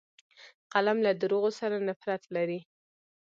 قلم له دروغو سره نفرت لري